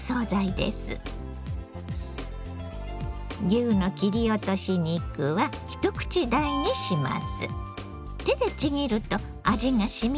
牛の切り落とし肉は一口大にします。